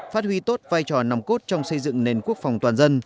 phát huy tốt vai trò nằm cốt trong xây dựng nền quốc phòng toàn dân